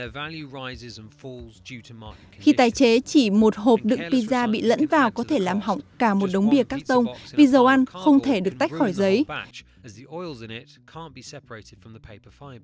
khi tái chế chỉ một hộp đựng pizza bị lẫn vào có thể làm hỏng cả một đống bia các tông vì dầu ăn không thể được tách khỏi giấy